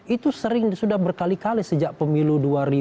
itu sering sudah berkali kali sejak pemilu dua ribu empat dua ribu sembilan